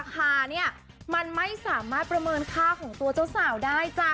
คาเนี่ยมันไม่สามารถประเมินค่าของตัวเจ้าสาวได้จ้ะ